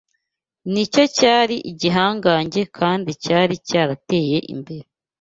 nicyo cyari igihangange kandi cyari cyarateye imbere